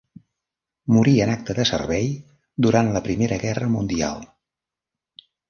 Morí en acte de servei durant la Primera Guerra Mundial.